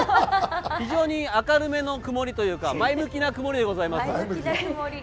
非常に明るめの曇りというか前向きな曇りでございます。